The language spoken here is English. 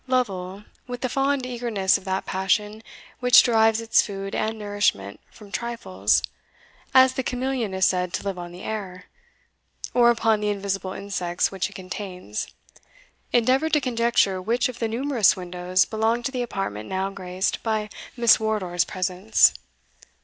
Lovel, with the fond eagerness of that passion which derives its food and nourishment from trifles, as the chameleon is said to live on the air, or upon the invisible insects which it contains, endeavoured to conjecture which of the numerous windows belonged to the apartment now graced by Miss Wardour's presence.